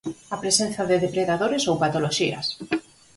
A presenza de depredadores ou patoloxías.